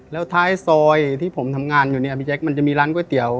แล้วท้ายซอยที่ผมทำงานอยู่เนี่ยพี่แจ๊คมันจะมีร้านก๋วยเตี๋ยว